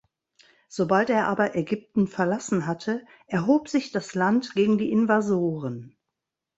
Sobald er aber Ägypten verlassen hatte, erhob sich das Land gegen die Invasoren.